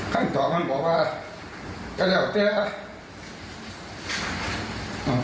ท่านตอบมันบอกว่าก็แล้วเต้นละครับ